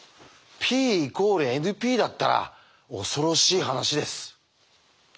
Ｐ＝ＮＰだったら恐ろしい話です。